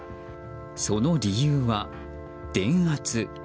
その理由は、電圧。